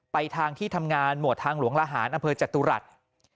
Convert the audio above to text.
ไปทางที่ทำงานหมวดทางหลวงละหารอจตุรัตน์